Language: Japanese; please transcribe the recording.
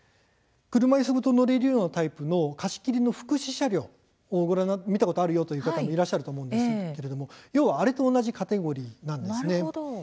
車いすごと乗れるようなタイプの貸し切りの福祉車両を見たことがあるよという方もいらっしゃると思いますが要は、あれと同じカテゴリーです。